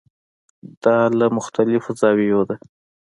دا له مختلفو زاویو ده.